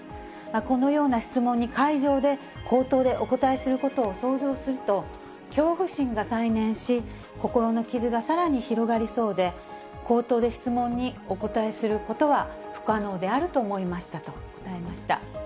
このような質問に会場で口頭でお答えすることを想像すると、恐怖心が再燃し、心の傷がさらに広がりそうで、口頭で質問にお答えすることは不可能であると思いましたと答えました。